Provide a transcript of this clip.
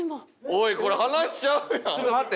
おいこれ話ちゃうやん。